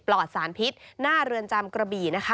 ลอดสารพิษหน้าเรือนจำกระบี่นะคะ